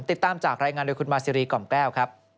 ติดตามจากรายงานโดยคุณมาซีรีกล่อมแก้วครับ